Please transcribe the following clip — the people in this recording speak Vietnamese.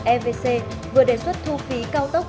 evc vừa đề xuất thu phí cao tốc